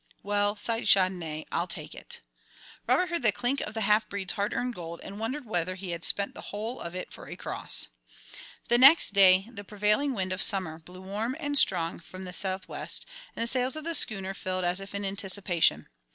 "Well," sighed Chandonnais, "I'll take it." Robert heard the clink of the half breed's hard earned gold, and wondered whether he had spent the whole of it for a cross. The next day the prevailing wind of Summer blew warm and strong from the south west, and the sails of the schooner filled as if in anticipation.